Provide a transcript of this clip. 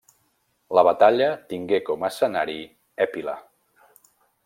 La batalla tingué com escenari Épila.